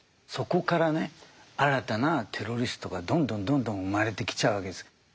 そこからね新たなテロリストがどんどんどんどん生まれてきちゃうわけです。